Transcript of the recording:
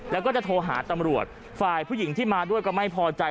แล้วก็จะโทรหาตำรวจฝ่ายผู้หญิงที่มาด้วยก็ไม่พอใจ